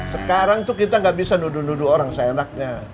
sekarang tuh kita gak bisa nuduh nuduh orang seenaknya